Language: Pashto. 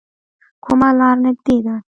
کومه لار نږدې ده؟